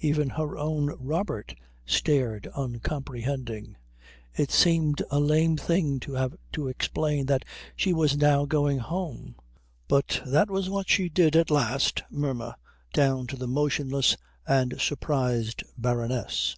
Even her own Robert stared uncomprehending. It seemed a lame thing to have to explain that she was now going home, but that was what she did at last murmur down to the motionless and surprised Baroness.